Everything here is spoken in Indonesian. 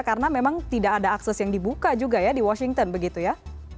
karena memang tidak ada akses yang dibuka juga ya di washington begitu ya